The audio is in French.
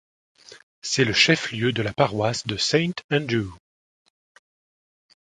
C'est le chef-lieu de la paroisse de Saint Andrew.